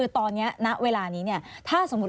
ถ้าเราเจออูเบอร์